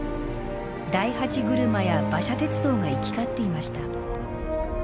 大八車や馬車鉄道が行き交っていました。